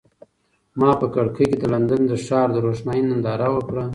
ما په کړکۍ کې د لندن د ښار د روښنایۍ ننداره وکړه.